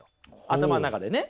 頭の中でね。